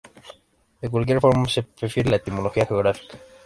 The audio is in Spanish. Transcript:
De cualquier forma, se prefiere la etimología geográfica.